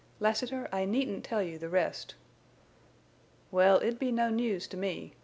"Lassiter, I needn't tell you the rest." "Well, it'd be no news to me.